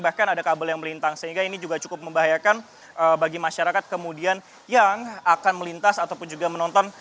bahkan ada kabel yang melintang sehingga ini juga cukup membahayakan bagi masyarakat kemudian yang akan melintas ataupun juga menonton